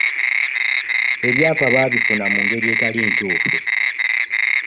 Ebyapa babifuna mu ngeri etali ntuufu.